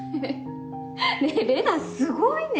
⁉ねぇレナすごいね！